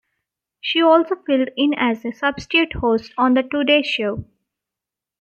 She also filled in as a substitute host on the "Today" show.